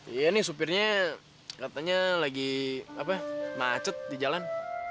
iya nih supirnya katanya lagi apa macet di jalan